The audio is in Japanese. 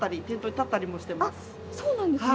あっそうなんですね。